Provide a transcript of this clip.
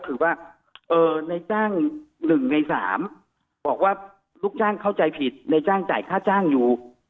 คือว่าในจ้าง๑ใน๓บอกว่าลูกจ้างเข้าใจผิดในจ้างจ่ายค่าจ้างอยู่